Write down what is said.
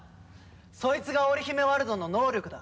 そいつがオリヒメワルドの能力だ。